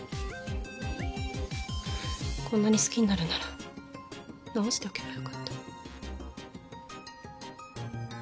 こんなに好きになるなら治しておけばよかった。